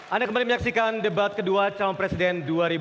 anda kembali menyaksikan debat kedua calon presiden dua ribu sembilan belas